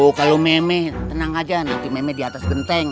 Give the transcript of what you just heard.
tuh kalau nemeh tenang aja nanti nemeh di atas genteng